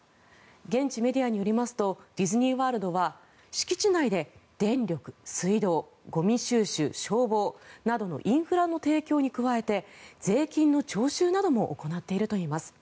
現地メディアによりますとディズニー・ワールドは敷地内で電力、水道ゴミ収集、消防などのインフラの提供に加えて税金の徴収なども行っているといいます。